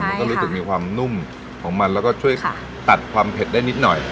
มันก็รู้สึกมีความนุ่มของมันแล้วก็ช่วยตัดความเผ็ดได้นิดหน่อย